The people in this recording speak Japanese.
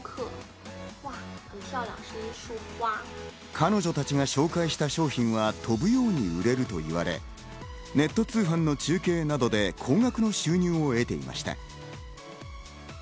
彼女たちが紹介した商品は飛ぶように売れると言われ、ネット通販の中継などで高額の収入を得ていました。